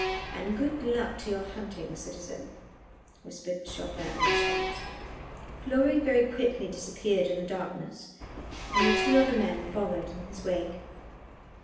"And good luck to your hunting, citizen," whispered Chauvelin in response. Fleury very quickly disappeared in the darkness and the other two men followed in his wake.